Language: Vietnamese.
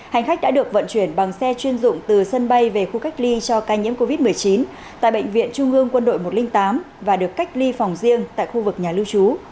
hành khách đã được vận chuyển bằng xe chuyên dụng từ sân bay về khu cách ly cho ca nhiễm covid một mươi chín tại bệnh viện trung ương quân đội một trăm linh tám và được cách ly phòng riêng tại khu vực nhà lưu trú